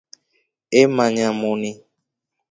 Eemanya moni.